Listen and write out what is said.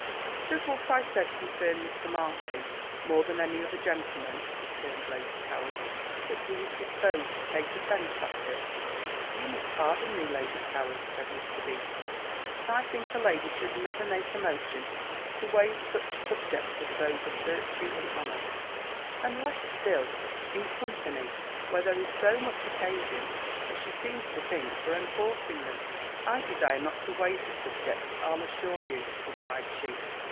"Does what I said concern Mr. Martin more than any other gentleman," returned Lady Towers, "that he is disposed to take offence at it?" "You must pardon me, Lady Towers," said Mr. B., "but I think a lady should never make a motion to wave such subjects as those of virtue and honour; and less still, in company, where there is so much occasion, as she seems to think, for enforcing them." "I desire not to wave the subject, I'll assure you," replied she.